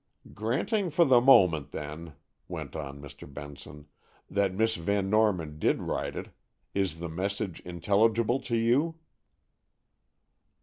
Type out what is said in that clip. "Granting for the moment, then," went on Mr. Benson, "that Miss Van Norman did write it, is the message intelligible to you?"